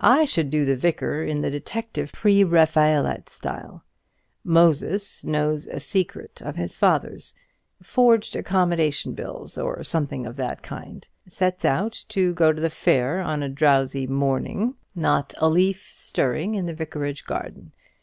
"I should do the Vicar in the detective pre Raphaelite style. Moses knows a secret of his father's forged accommodation bills, or something of that kind; sets out to go to the fair on a drowsy summer morning, not a leaf stirring in the vicarage garden.